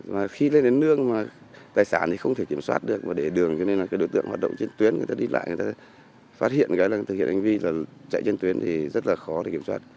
và khi lên đến nương mà tài sản thì không thể kiểm soát được và để đường cho nên là cái đối tượng hoạt động trên tuyến người ta đi lại người ta phát hiện cái là thực hiện hành vi là chạy trên tuyến thì rất là khó để kiểm soát